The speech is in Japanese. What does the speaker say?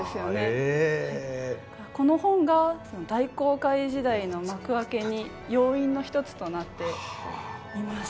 この本が大航海時代の幕開けに要因の一つとなっています。